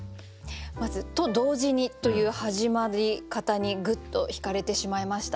まず「と、同時に」という始まり方にグッとひかれてしまいました。